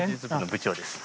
部長ですか？